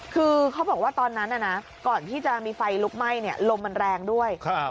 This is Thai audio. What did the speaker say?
คือเขาบอกว่าตอนนั้นน่ะนะก่อนที่จะมีไฟลุกไหม้เนี่ยลมมันแรงด้วยครับ